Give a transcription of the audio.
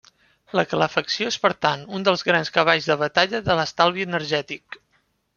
La calefacció és per tant un dels grans cavalls de batalla de l'estalvi energètic.